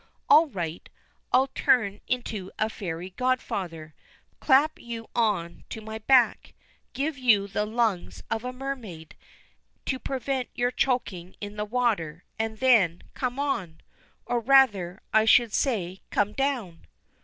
All right, I'll turn into a fairy godfather, clap you on to my back, give you the lungs of a mermaid, to prevent your choking in the water, and then, come on! Or, rather, I should say, come down!